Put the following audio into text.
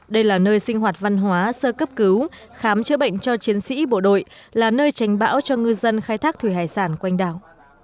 đây là nơi sinh hoạt văn hóa sơ cấp cứu khám chữa bệnh cho chiến sĩ bộ đội là nơi tránh bão cho ngư dân khai thác thủy hải sản quanh đảo